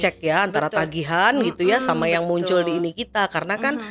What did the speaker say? cek ya antara tagihan gitu ya sama yang muncul di ini kita karena kan